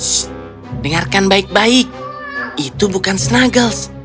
shh shh shh dengarkan baik baik itu bukan snuggles